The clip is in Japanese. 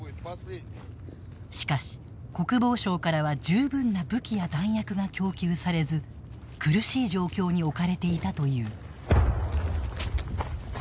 しかし、国防省からは十分な武器や弾薬が供給されず苦しい状況に置かれていたという。